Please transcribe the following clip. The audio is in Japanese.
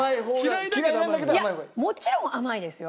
いやもちろん甘いですよ。